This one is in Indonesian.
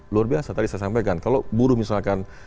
luar biasa tadi saya sampaikan kalau buruh misalkan